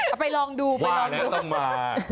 เอาไปลองดูไปลองดู